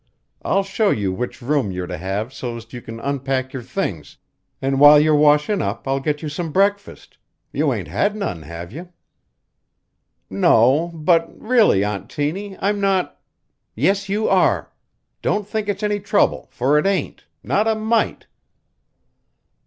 I'll show you which room you're to have so'st you can unpack your things, an' while you're washin' up I'll get you some breakfast. You ain't had none, have you?" "No; but really, Aunt Tiny, I'm not " "Yes, you are. Don't think it's any trouble for it ain't not a mite."